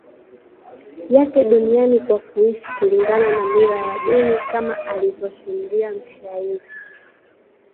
Yake duniani kwa kuishi kulingana na mila ya dini kama alivyosimulia mshairi